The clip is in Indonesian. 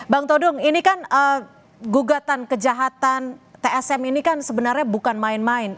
bang todung ini kan gugatan kejahatan tsm ini kan sebenarnya bukan main main